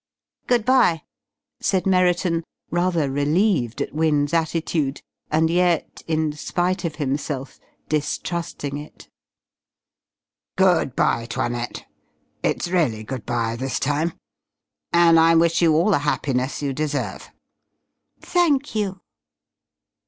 "Good bye," said Merriton, rather relieved at Wynne's attitude and yet, in spite of himself, distrusting it. "Good bye, 'Toinette.... It's really good bye this time. And I wish you all the happiness you deserve." "Thank you."